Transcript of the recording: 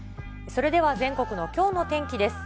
それでは全国のきょうの天気です。